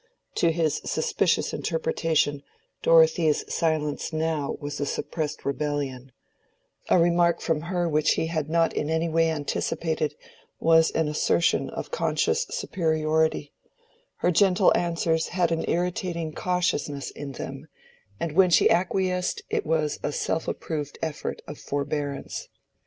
To his suspicious interpretation Dorothea's silence now was a suppressed rebellion; a remark from her which he had not in any way anticipated was an assertion of conscious superiority; her gentle answers had an irritating cautiousness in them; and when she acquiesced it was a self approved effort of forbearance.